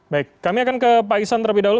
baik kami akan ke pak iksan terlebih dahulu